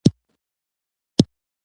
د کارېز ښار.